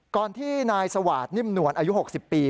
ก่อนที่นายสวาสตร์นิ่มนวลอายุ๖๐ปี